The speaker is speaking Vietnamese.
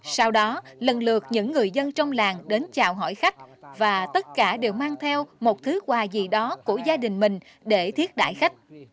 sau đó lần lượt những người dân trong làng đến chào hỏi khách và tất cả đều mang theo một thứ quà gì đó của gia đình mình để thiết đại khách